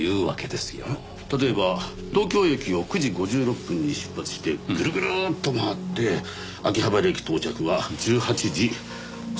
例えば東京駅を９時５６分に出発してぐるぐるっと回って秋葉原駅到着は１８時３９分。